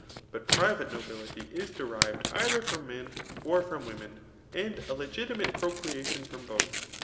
But [>rtvate nobility is derived either frbhr men, or 6eom women, and a tegimnate procreation from both.